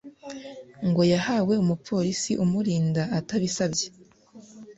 ngo yahawe umupolisi umurinda atabisabye